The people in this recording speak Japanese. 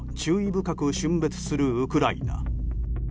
深く峻別するウクライナ。